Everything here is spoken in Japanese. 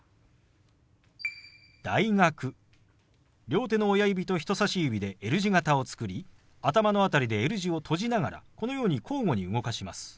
両手の親指と人さし指でＬ字型を作り頭の辺りでＬ字を閉じながらこのように交互に動かします。